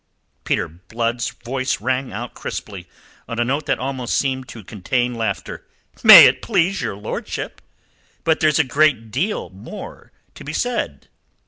Peter Blood's voice rang out crisply, on a note that almost seemed to contain laughter. "May it please your lordship, but there's a deal more to be said."